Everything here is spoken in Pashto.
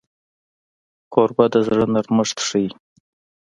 کوربه د زړه نرمښت ښيي.